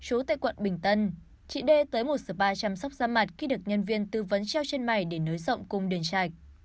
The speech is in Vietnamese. ở xã quận bình tân chị d tới một spa chăm sóc da mặt khi được nhân viên tư vấn treo chân mày để nới rộng cung đền chạch